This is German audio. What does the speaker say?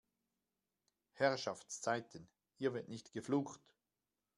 Herrschaftszeiten, hier wird nicht geflucht!